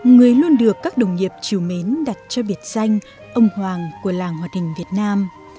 người luôn được các đồng nghiệp triều mến đặt cho biệt danh ông hoàng của làng hoạt hình việt nam